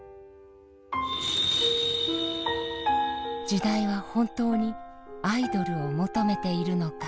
時代は本当にアイドルを求めているのか。